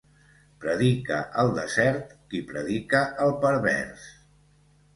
Predica al desert, qui predica al pervers.